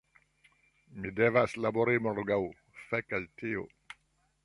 Mi devas labori morgaŭ, fek' al tio!